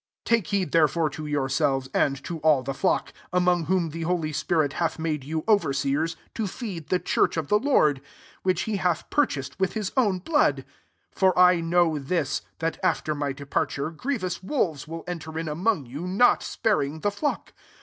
28 " Take heed therefore to yourselves, and to all the flock ; among whom the holy spirit hath made you overseers, to" feed the church of the Lord, which he hath purchased with his own blood. 29 {'For] I know [^A/*J, that after my de parture, grievous^ wolves will enter in among you, not spar ing the ftock.